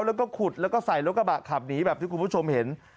แล้วก็ขุดแล้วก็ใส่รถกระบะขับหนีแบบที่คุณผู้ชมเห็น